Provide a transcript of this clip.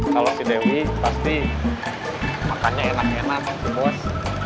kalau si dewi pasti makannya enak enak si bos